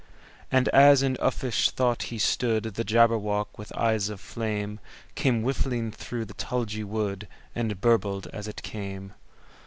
And as in uffish thought he stood, The Jabberwock, with eyes of flame, Came whiffling through the tulgey wood, And burbled as it came!